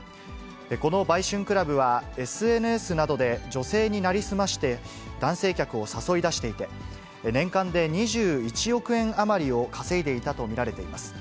この売春クラブは、ＳＮＳなどで女性に成り済まして、男性客を誘い出していて、年間で２１億円余りを稼いでいたと見られています。